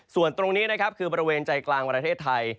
ส่วนตรงนี้นะครับคือบริเวณใจกลางประเทศไทย